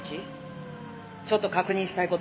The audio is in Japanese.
ちょっと確認したい事がある。